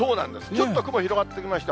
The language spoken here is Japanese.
ちょっと雲広がってきました。